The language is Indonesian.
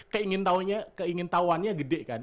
keingin taunya keingin tauannya gede kan